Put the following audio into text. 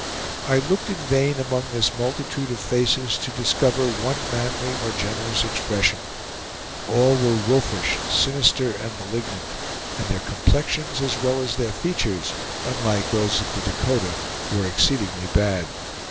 I looked in vain among this multitude of faces to discover one manly or generous expression; all were wolfish, sinister, and malignant, and their complexions, as well as their features, unlike those of the Dakota, were exceedingly bad.